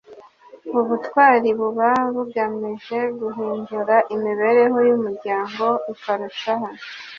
ubutwari buba bugamije guhindura imibereho y'umuryango ikarushaho